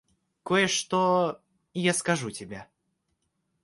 Кое-что я скажу тебе.